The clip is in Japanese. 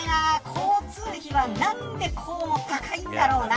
交通費は何でこうも高いんだろうな。